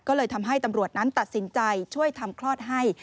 ก็เลยทำให้ตำรวจนั้นตัดสินใจช่วยทำคลอดให้